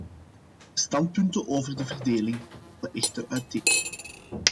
De standpunten over de verdeling lopen echter uiteen.